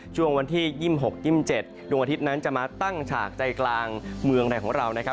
ช่วงวันที่๒๖๒๗ดวงอาทิตย์นั้นจะมาตั้งฉากใจกลางเมืองไทยของเรานะครับ